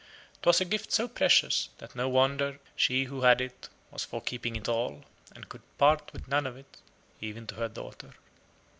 'Twas a gift so precious, that no wonder she who had it was for keeping it all, and could part with none of it, even to her daughter.